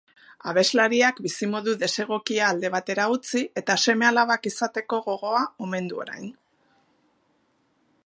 Abeslariak bizimodu desegokia alde batera utzi eta seme-alabak izateko gogoa omen du orain.